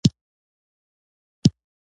محاکات د تقلید او تخلیق ترمنځ یو پل دی